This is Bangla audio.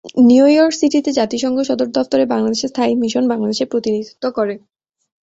নিউ ইয়র্ক সিটিতে জাতিসংঘ সদর দফতরে বাংলাদেশের স্থায়ী মিশন বাংলাদেশের প্রতিনিধিত্ব করে।